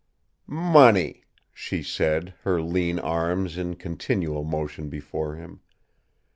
"Money!" she said, her lean arms in continual motion before him.